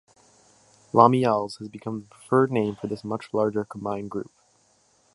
Lamiales has become the preferred name for this much larger combined group.